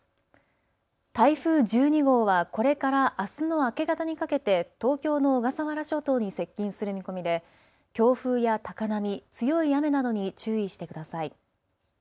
台風１２号はこれからあすの明け方にかけて東京の小笠原諸島に接近する見込みで強風や高波、強い雨などに注意してください。